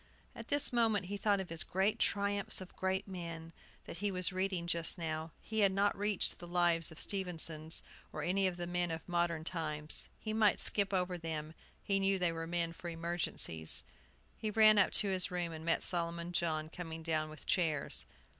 At this moment he thought of his "Great Triumphs of Great Men," that he was reading just now. He had not reached the lives of the Stephensons, or any of the men of modern times. He might skip over to them, he knew they were men for emergencies. He ran up to his room, and met Solomon John coming down with chairs.